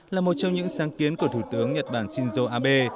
là một trong những sáng kiến của thủ tướng nhật bản shinzo abe